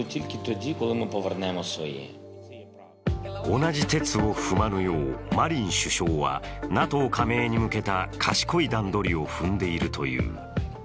同じてつを踏まぬようマリン首相はＮＡＴＯ加盟に向けた賢い段取りを踏んでいるという。